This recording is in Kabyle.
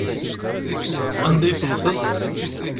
Anda i tewteḍ.